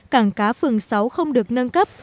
cảng cá phường sáu không được nâng cấp